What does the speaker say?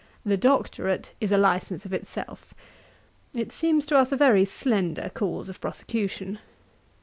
The Doctorate is a licence of itself. It seems to us a very slender cause of prosecution.